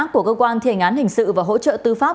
của cơ quan thi hành án hình sự và hỗ trợ tư pháp